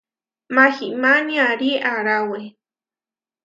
Mahimá niarí aráwe.